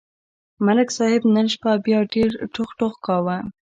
ملک صاحب نن شپه بیا ډېر ټوخ ټوخ کاوه.